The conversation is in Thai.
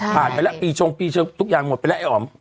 พัดไปและปีชงทุกอย่างหมดไปและไอ้อ๋อม